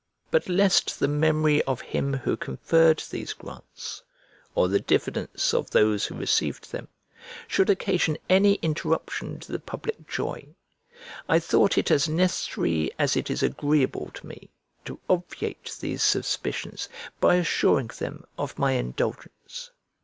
But lest the memory of him [1048b] who conferred these grants, or the diffidence of those who received them, should occasion any interruption to the public joy, I thought it as necessary as it is agreeable to me to obviate these suspicions by assuring them of my indulgence.